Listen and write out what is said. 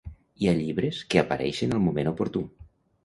Hi ha llibres que apareixen al moment oportú.